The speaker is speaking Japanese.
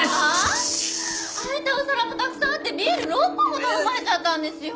シーッ！空いたお皿もたくさんあってビール６本も頼まれちゃったんですよ！？